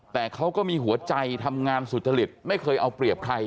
แต่เขาก็มีหัวใจทำงานสุจริตไม่เคยเอาเปรียบใคร